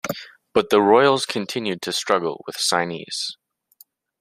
But the Royals continued to struggle with signees.